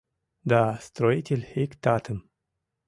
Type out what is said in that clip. Да строитель ик татым